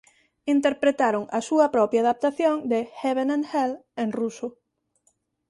Interpretaron a súa propia adaptación de "Heaven and Hell" en ruso.